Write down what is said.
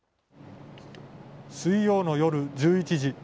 水曜の夜１１時。